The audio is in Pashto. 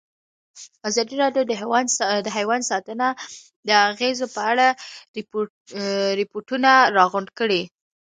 ازادي راډیو د حیوان ساتنه د اغېزو په اړه ریپوټونه راغونډ کړي.